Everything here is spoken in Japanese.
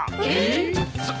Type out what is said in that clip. えっ？